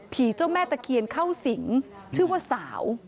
เจ้าแม่ตะเคียนเข้าสิงชื่อว่าสาว